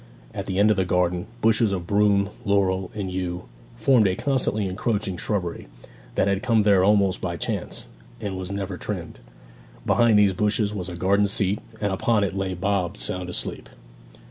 At the end of the garden, bushes of broom, laurel, and yew formed a constantly encroaching shrubbery, that had come there almost by chance, and was never trimmed. Behind these bushes was a garden seat, and upon it lay Bob sound asleep.